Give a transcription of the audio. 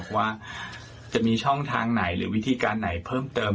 ว่าจะมีช่องทางไหนหรือวิธีการไหนเพิ่มเติม